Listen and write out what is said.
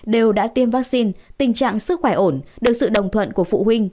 đều đã tiêm vaccine tình trạng sức khỏe ổn được sự đồng thuận của phụ huynh